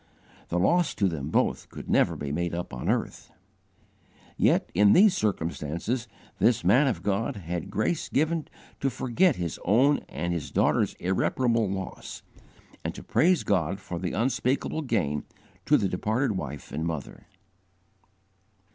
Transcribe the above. The loss to them both could never be made up on earth. Yet in these circumstances this man of God had grace given to forget his own and his daughter's irreparable loss, and to praise God for the unspeakable gain to the departed wife and mother.